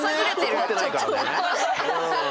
怒ってないからね。